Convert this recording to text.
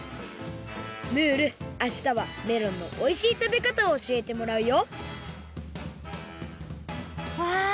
ムールあしたはメロンのおいしい食べかたをおしえてもらうよわあ